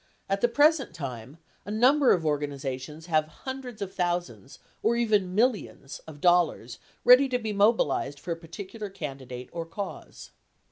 At the p resent time, a number of organizations have hundreds of thousands, or even millions, of dollars ready to be mobilized for a particular candidate or cause.